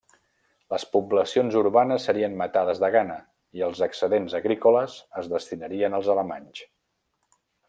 Les poblacions urbanes serien matades de gana, i els excedents agrícoles es destinarien als alemanys.